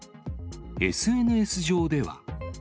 ＳＮＳ上では。